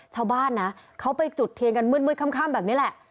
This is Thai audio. ชาวบ้านนะเขาไปจุดเทียนกันมืดค่ำแบบนี้แหละ